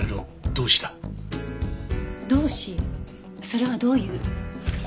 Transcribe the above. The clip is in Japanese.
それはどういう。